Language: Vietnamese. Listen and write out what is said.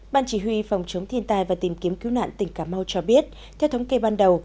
ban chỉ huy phòng chống thiên tai và tìm kiếm cứu nạn tỉnh cà mau cho biết theo thống kê ban đầu